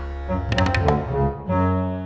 harus berubah bos